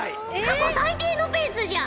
過去最低のペースじゃ！